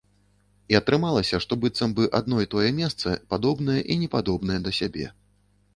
І атрымалася, што быццам бы адно і тое месца падобнае і непадобнае да сябе.